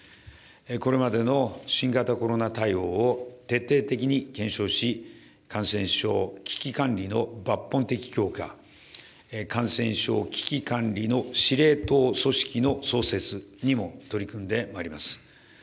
これまでの新型コロナ対応を徹底的に検証し、感染症危機管理の抜本的強化、感染症危機管理の司令塔組織の創設にも取り組んでまいります。